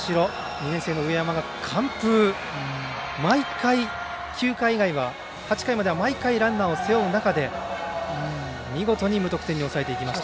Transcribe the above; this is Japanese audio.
２年生の上山が完封、毎回９回以外は８回までは毎回、ランナーを背負う中で見事に無得点に抑えていきました。